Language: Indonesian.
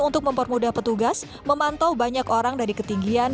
untuk mempermudah petugas memantau banyak orang dari ketinggian